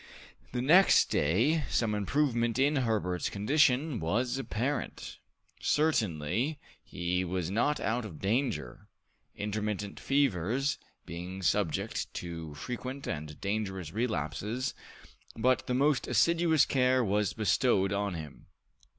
The next day some improvement in Herbert's condition was apparent. Certainly, he was not out of danger, intermittent fevers being subject to frequent and dangerous relapses, but the most assiduous care was bestowed on him.